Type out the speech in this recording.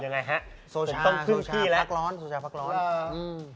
ยังไงฮะโซชาพักร้อน